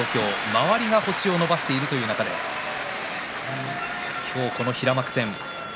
周りが星を伸ばしている中で今日、この平幕戦。